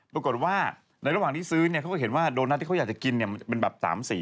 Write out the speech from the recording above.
ปรากฏว่าในระหว่างที่ซื้อเนี่ยเขาก็เห็นว่าโดนัทที่เขาอยากจะกินมันเป็นแบบ๓สี